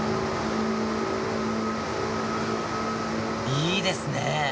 いいですね。